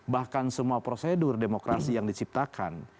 bahkan semua prosedur demokrasi yang diciptakan